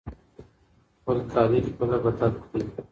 خپل کالي خپله بدل کړئ.